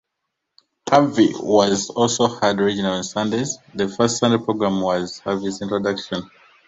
Harvey was also heard originally on Sundays; the first Sunday program was Harvey's introduction.